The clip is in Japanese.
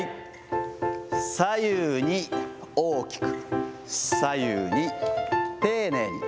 左右に大きく、左右に丁寧に。